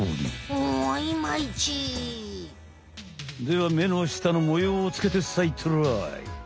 では目の下の模様をつけてさいトライ。